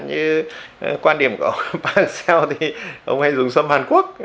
như quan điểm của ông park seo thì ông hay dùng sâm hàn quốc